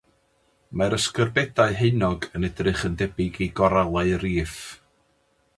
Mae'r ysgerbydau haenog yn edrych yn debyg i goralau riff.